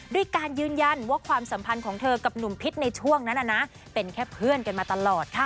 ด้วยการยืนยันว่าความสัมพันธ์ของเธอกับหนุ่มพิษในช่วงนั้นเป็นแค่เพื่อนกันมาตลอดค่ะ